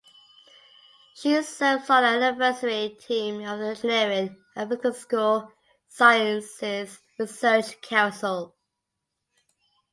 She serves on the advisory team of the Engineering and Physical Sciences Research Council.